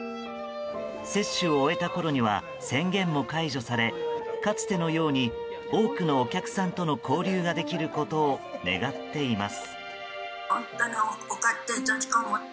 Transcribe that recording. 接種を終えたころには宣言も解除されかつてのように多くのお客さんとの交流ができることを願っています。